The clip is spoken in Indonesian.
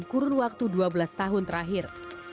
kurun waktu dua belas tahun terakhir